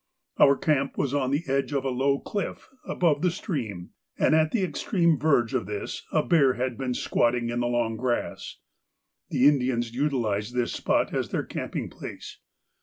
Our camp was on the edge of a low cliff above the stream, and at the extreme verge of this a bear had been squatting in the long grass. The Indians utilised this spot as their camping place.